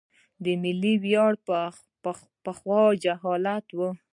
ملي ویاړ پخوا جهالت و.